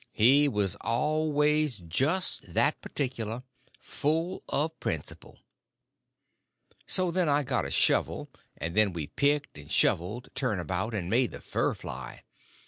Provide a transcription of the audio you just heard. He was always just that particular. Full of principle. So then I got a shovel, and then we picked and shoveled, turn about, and made the fur fly.